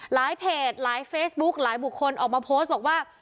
เพจหลายเฟซบุ๊คหลายบุคคลออกมาโพสต์บอกว่า